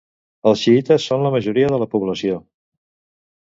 Els xiïtes són la majoria de la població.